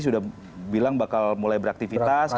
sudah bilang bakal mulai beraktivitas